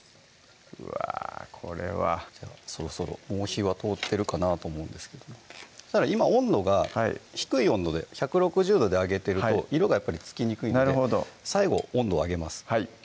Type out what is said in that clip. うわこれはそろそろもう火は通ってるかなと思うんですけど今温度が低い温度で１６０℃で揚げてると色がやっぱりつきにくいので最後温度を上げます